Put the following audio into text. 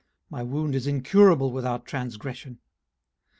my wound is incurable without transgression.